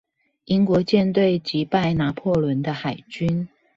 英國艦隊擊敗拿破崙的海軍